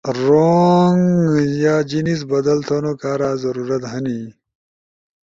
رونگ یا جنس بدل تھونو کارا ضرورت ہنی؟